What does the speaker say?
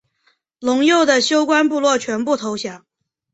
陇右的休官部落全部投降。